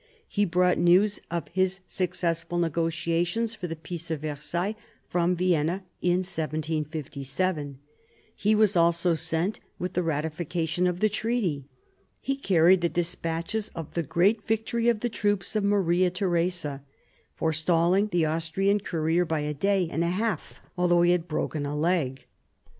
He brought news of his successful negotiations for the peace of Versailles from Vienna in 1757. He was also sent with the Ratification of the Treaty. He carried the despatches of the great victory of the troops of Maria Theresa, forestalling the Austrian courier by a day and a half, although he had a broken leg.